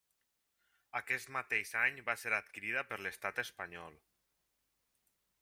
Aquest mateix any va ser adquirida per l'estat espanyol.